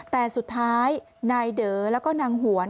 แต่สุดท้ายนายเด๋อแล้วก็นางหวน